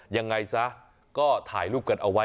ยังไงซะก็ถ่ายรูปกันเอาไว้